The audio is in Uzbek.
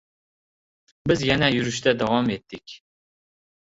Biz yana yurishda davom etdik.